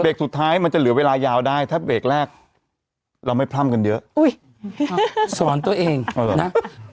สุดท้ายมันจะเหลือเวลายาวได้ถ้าเบรกแรกเราไม่พร่ำกันเยอะอุ้ยสอนตัวเองนะ